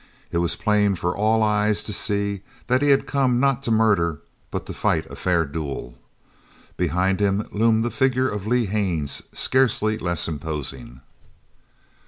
It was plain for all eyes to see that he had come not to murder but to fight a fair duel. Behind him loomed the figure of Lee Haines scarcely less imposing.